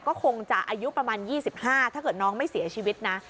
ก็คงจะอายุประมาณ๒๕ถ้าเกิดน้องไม่เสียชีวิตนะ